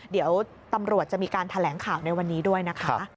เดี๋ยวตำรวจจะมีการแถลงข่าวในวันนี้ด้วยนะคะ